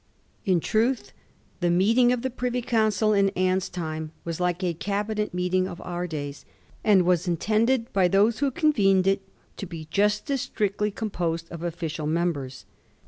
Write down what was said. In truth, the meeting of the Privy Council in Anne's time was like a Cabinet meeting of our days, and was intended by those who convened it to be just as strictly composed of official members.